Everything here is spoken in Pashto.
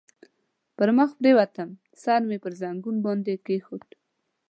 پر مخ پرېوتم، سر مې پر زنګنو باندې کېښود.